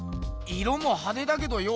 色もはでだけどよ